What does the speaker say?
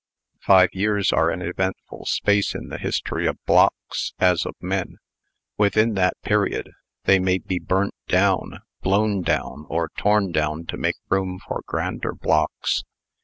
Five years are an eventful space in the history of blocks, as of men. Within that period, they may be burnt down, blown down, or torn down to make room for grander blocks.